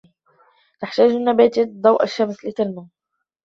تحتاج النباتاتُ ضوءَ الشمس لتنمو.